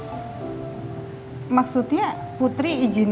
suatu hari setelah aku berkutuk punya suami senate wright zhang